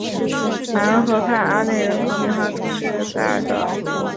马恩河畔阿内人口变化图示戈尔德